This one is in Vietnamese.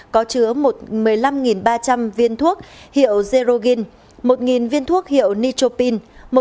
có chứa một mươi năm ba trăm linh viên thuốc hiệu zerogin một viên thuốc hiệu nitropine